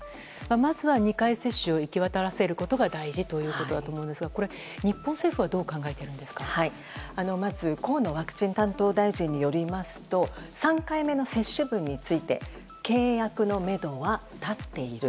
まずは２回接種を行き渡らせることが大事ということだと思うんですが日本政府はまず河野ワクチン担当大臣によりますと３回目の接種分について契約のめどは立っている。